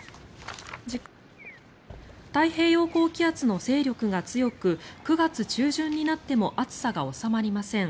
太平洋高気圧の勢力が強く９月中旬になっても暑さが収まりません。